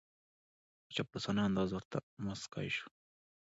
په چاپلوسانه انداز ورته موسکای شو